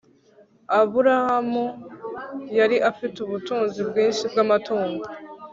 aburamu yari afite ubutunzi bwinshi bw amatungo